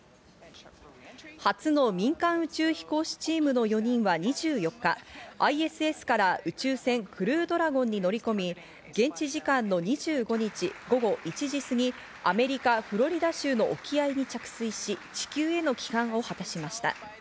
初の民間宇宙飛行士チームの４人は２４日、ＩＳＳから宇宙船クルードラゴンに乗り込み、現地時間の２５日午後１時すぎアメリカ・フロリダ州の沖合に着水し、地球への帰還を果たしました。